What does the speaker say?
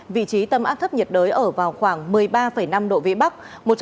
vị trí tâm áp thấp nhiệt đới ở vào khoảng một mươi ba năm độ vĩ bắc